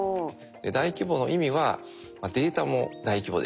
大規模の意味は「データも大規模です」と。